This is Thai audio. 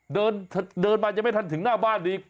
เดินมายังไม่ทันถึงหน้าบ้านอีก